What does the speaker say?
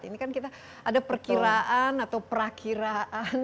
ini kan kita ada perkiraan atau perakiraan